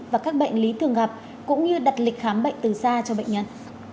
và các bệnh lý thường gặp cũng như đặt lịch khám bệnh từ xa cho bệnh nhân